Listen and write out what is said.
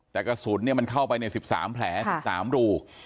แต่กระสุนมันเข้าไปใน๑๓แผล๑๓รู